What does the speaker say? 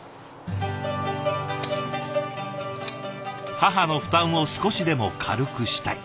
母の負担を少しでも軽くしたい。